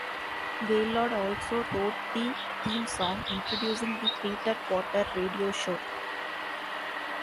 Gaillard also wrote the theme song introducing the Peter Potter radio show.